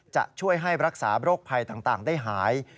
จะช่วยให้รักษาโรคภัยต่างได้หาย